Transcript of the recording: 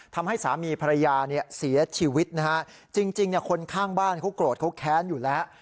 ทำให้สามีภรรยาเนี่ยเสียชีวิตนะฮะจริงคนข้างบ้านเขาโกรธเขาแค้นอยู่แล้ว